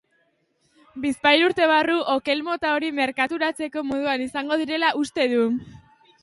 Bizpahiru urte barru, okel mota hori merkaturatzeko moduan izango direla uste du.